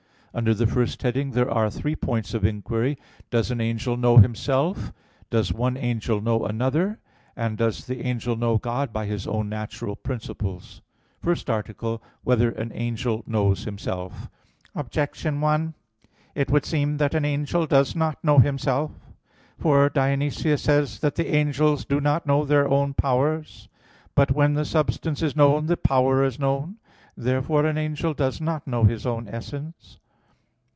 Under the first heading there are three points of inquiry: (1) Does an angel know himself? (2) Does one angel know another? (3) Does the angel know God by his own natural principles? _______________________ FIRST ARTICLE [I, Q. 56, Art 1] Whether an Angel Knows Himself? Objection 1: It would seem that an angel does not know himself. For Dionysius says that "the angels do not know their own powers" (Coel. Hier. vi). But, when the substance is known, the power is known. Therefore an angel does not know his own essence.